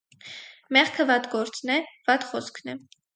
Մեղքը վատ գործն է, վատ խոսքն է: